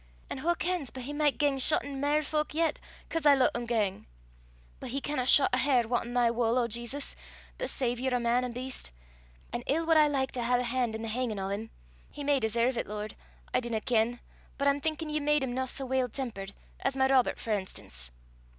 An' wha kens but he micht gang shottin' mair fowk yet, 'cause I loot him gang! But he canna shot a hare wantin' thy wull, O Jesus, the Saviour o' man an' beast; an' ill wad I like to hae a han' i' the hangin' o' 'im. He may deserve 't, Lord, I dinna ken; but I'm thinkin' ye made him no sae weel tempered as my Robert, for enstance."